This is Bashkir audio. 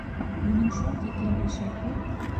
Минең шул тиклем эшем күп!